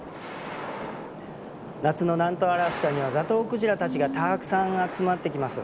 夏の南東アラスカにはザトウクジラたちがたくさん集まってきます。